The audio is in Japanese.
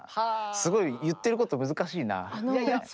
すごい言ってること難しいな。